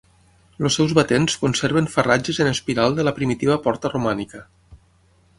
Els seus batents conserven farratges en espiral de la primitiva porta romànica.